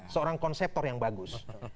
seorang konseptor yang bagus